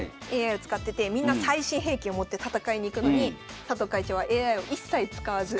ＡＩを使っててみんな最新兵器を持って戦いに行くのに佐藤会長はＡＩを一切使わず。